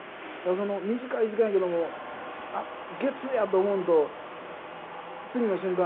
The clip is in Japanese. その短い時間やけども「あっゲッツーや」と思うのと次の瞬間